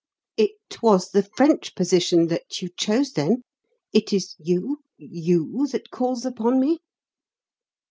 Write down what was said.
"It was the French position that you chose, then? It is you you that calls upon me?"